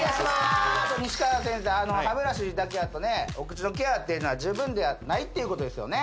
歯ブラシだけやとねお口のケアっていうのは十分ではないっていうことですよね